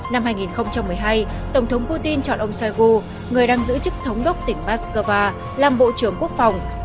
năm hai nghìn một mươi hai tổng thống putin chọn ông sheigu người đang giữ chức thống đốc tỉnh moscow làm bộ trưởng quốc phòng